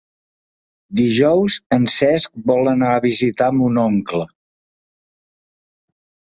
Dijous en Cesc vol anar a visitar mon oncle.